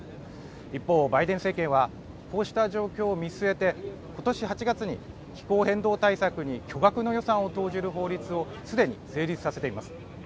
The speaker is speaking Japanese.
一方、バイデン政権はこうした状況を見据えて今年８月に気候変動対策に巨額の予算を投じる法律をすでに成立させています。